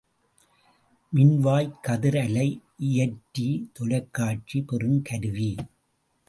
மின்வாய்க் கதிர் அலை இயற்றி, தொலைக்காட்சி பெறுங் கருவி.